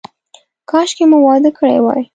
کاشکې مو واده کړی وای.